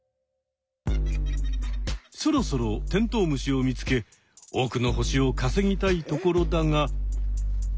そろそろテントウムシを見つけ多くの星をかせぎたいところだが。